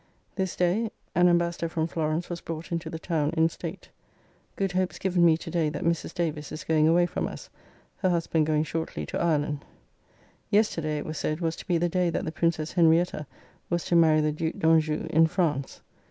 This day an ambassador from Florence was brought into the town in state. Good hopes given me to day that Mrs. Davis is going away from us, her husband going shortly to Ireland. Yesterday it was said was to be the day that the Princess Henrietta was to marry the Duke d'Anjou' in France.